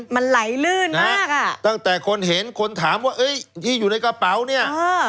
มันไหลลื่นมากอ่ะตั้งแต่คนเห็นคนถามว่าเอ้ยที่อยู่ในกระเป๋าเนี่ยเออ